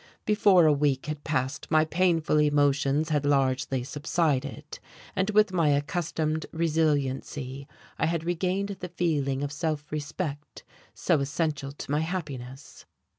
Before a week had passed my painful emotions had largely subsided, and with my accustomed resiliency I had regained the feeling of self respect so essential to my happiness.